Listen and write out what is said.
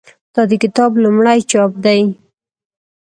دا د کتاب لومړی چاپ دی.